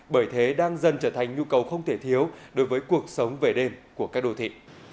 bởi thế đang dần trở thành nhu cầu không thể thiếu đối với cuộc sống về đêm của các đô thị